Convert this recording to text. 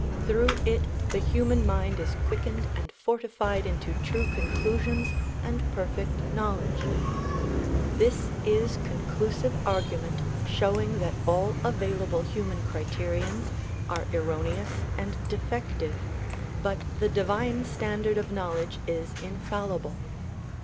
Through it the human mind is quickened and fortified into true conclusions and perfect knowledge. This is conclusive argument showing that all available human criterions are erroneous and defective, but the divine standard of knowledge is infallible.